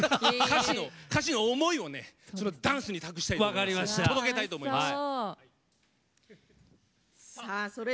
歌詞の思いをダンスに託したいと届けたいと思います。